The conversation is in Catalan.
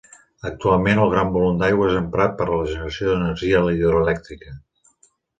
Actualment el gran volum d'aigua és emprat per a la generació d'energia hidroelèctrica.